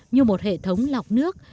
như một hệ thống lọc nước